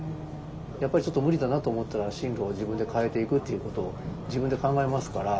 やっぱりちょっと無理だなと思ったら進路を自分で変えていくっていうことを自分で考えますから。